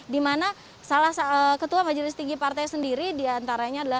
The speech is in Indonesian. dimana salah ketua majelis tinggi partai sendiri diantaranya adalah